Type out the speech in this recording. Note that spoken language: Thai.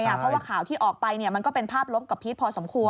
เพราะว่าข่าวที่ออกไปมันก็เป็นภาพลบกับพีชพอสมควร